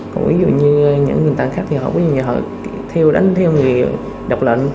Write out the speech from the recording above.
còn ví dụ như những người tăng khác thì họ có những người họ theo đánh theo người độc lận